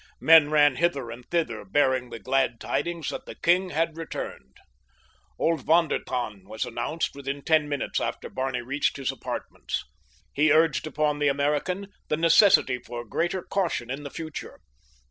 Men ran hither and thither bearing the glad tidings that the king had returned. Old von der Tann was announced within ten minutes after Barney reached his apartments. He urged upon the American the necessity for greater caution in the future.